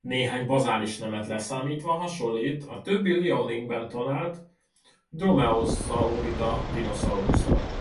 Néhány bazális nemet leszámítva hasonlít a többi Liaoningben talált dromaeosaurida dinoszauruszra.